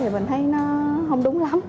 thì mình thấy nó không đúng lắm